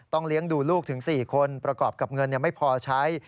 เลี้ยงดูลูกถึง๔คนประกอบกับเงินไม่พอใช้